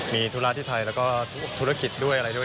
มีธุระที่ไทยแล้วก็ธุรกิจด้วยอะไรด้วย